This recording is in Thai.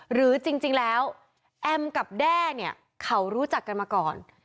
หรือจริงแล้วแอมกับแด้เนี่ยเขารู้จักกันมาก่อน